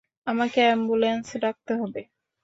আমাকে অ্যাম্বুলেন্সে ডাকতে হবে!